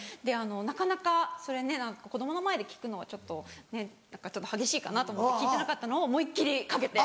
なかなかそれね何か子供の前で聴くのはちょっとねっ何かちょっと激しいかなと思って聴いてなかったのを思いっ切りかけて